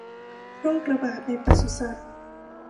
โรคระบาดในปศุสัตว์